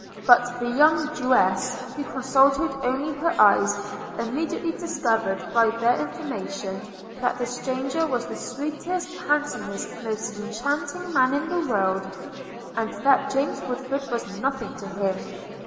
But the young Jewess, who consulted only her eyes, immediately discovered by their information, that this stranger was the sweetest, handsomest, most enchanting man in the world; and that James Woodford was nothing to him.